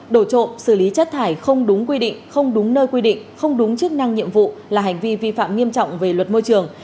đổi trộm xử lý chất thải không đúng quy định không đúng nơi quy định không đúng chức năng nhiệm vụ là hành vi vi phạm nghiêm trọng về luật môi trường